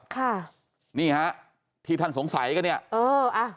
ค่ะนี่ฮะที่ท่านสงสัยกันเนี่ยเอออ่ะ